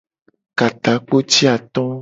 Ka takpo ci ato.